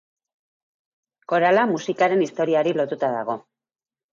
Korala musikaren historiari lotuta dago.